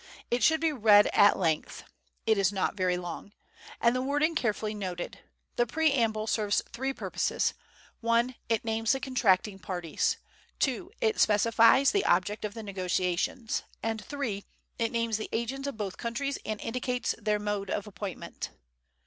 It should be read at length (it is not very long), and the wording carefully noted. The preamble serves three purposes: (1) It names the contracting parties, (2) it specifies the object of the negotiations, and (3) it names the agents of both countries and indicates their mode of appointment.